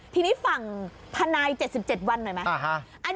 ทีนี้ฝั่งทนาย๗๗วันหน่อยไหม